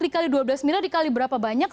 dikali dua belas miliar dikali berapa banyak